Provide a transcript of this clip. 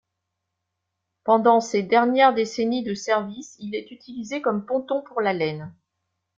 Pendant ses dernières décennies de service, il est utilisé comme ponton pour la laine.